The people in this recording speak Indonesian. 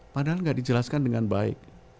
padahal nggak dijelaskan dengan baik